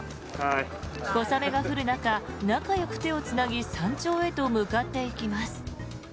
小雨が降る中、仲よく手をつなぎ山頂へと向かっていきます。